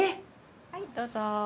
はいどうぞ。